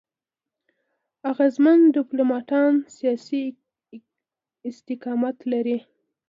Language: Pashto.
اغېزمن ډيپلوماټان سیاسي استقامت لري.